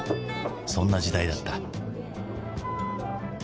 そんな時代だった。